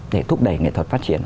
để thúc đẩy nghệ thuật phát triển